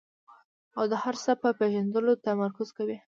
او د هر څه په پېژندلو تمرکز کوي.